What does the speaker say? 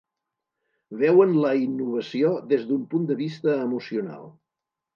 Veuen la innovació des d'un punt de vista emocional.